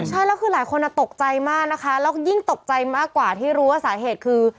ใช่แล้วคือหลายคนตกใจมากนะคะแล้วยิ่งตกใจมากกว่าที่รู้ว่าสาเหตุคือ